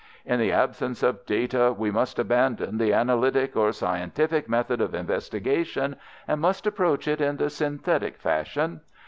In the absence of data we must abandon the analytic or scientific method of investigation, and must approach it in the synthetic fashion.